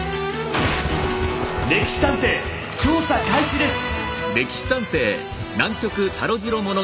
「歴史探偵」調査開始です。